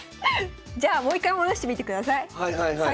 じゃあもう一回戻してみてください。